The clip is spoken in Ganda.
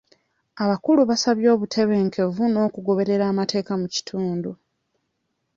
Abakulu basabye obutebenkevu n'okugoberera amateeka mu kitundu.